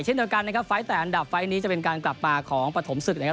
เช่นเดียวกันนะครับไฟล์แต่อันดับไฟล์นี้จะเป็นการกลับมาของปฐมศึกนะครับ